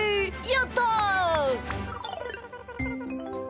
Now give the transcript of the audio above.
やった！